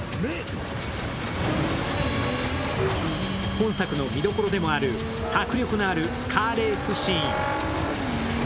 本作の見どころでもある迫力のあるカーレースシーン。